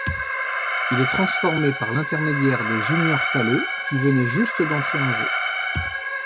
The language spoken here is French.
Il est transformé par l’intermédiaire de Junior Tallo, qui venait juste d'entrer en jeu.